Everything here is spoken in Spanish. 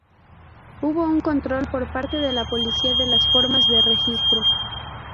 Hubo un control por parte de la policía de las formas de registro.